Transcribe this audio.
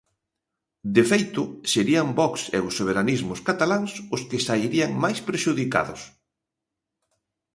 De feito, serían Vox e os soberanismos cataláns os que sairían máis prexudicados.